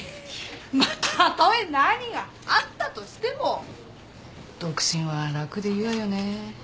まあたとえ何があったとしても独身は楽でいいわよね。